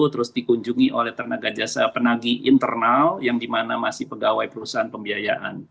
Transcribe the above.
terus dikunjungi oleh tenaga jasa penagi internal yang dimana masih pegawai perusahaan pembiayaan